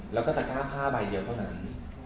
แล้วก็ตะก้าผ้าใบเดียวเท่านั้น